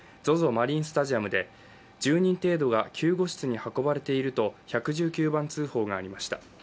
マリンスタジアムで１０人程度が救護室に運ばれていると１１９番通報がありました。